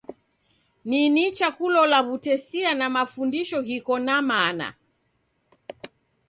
Ni nicha kulola w'utesia na mafundisho ghiko na mana.